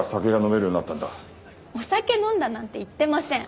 お酒飲んだなんて言ってません。